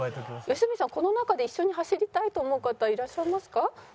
良純さんこの中で一緒に走りたいと思う方いらっしゃいますか？